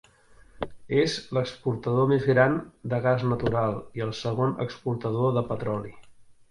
És l'exportador més gran de gas natural i el segon exportador de petroli.